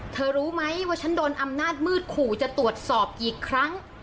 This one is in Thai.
รู้ไหมว่าฉันโดนอำนาจมืดขู่จะตรวจสอบกี่ครั้ง